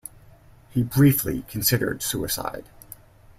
He briefly considered suicide.